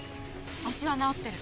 足は治ってる。